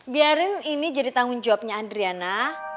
biarin ini jadi tanggung jawabnya adriana